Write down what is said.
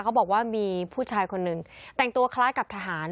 เขาบอกว่ามีผู้ชายคนหนึ่งแต่งตัวคล้ายกับทหาร